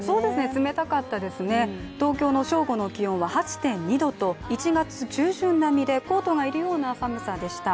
冷たかったですね、東京の正午の気温は８．２度と、１月中旬並みでコートがいるような寒さでした。